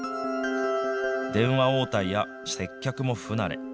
電話応対や接客も不慣れ。